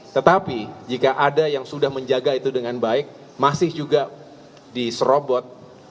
tetapi jika ada yang sudah menjaga itu dengan baik masih juga diserobot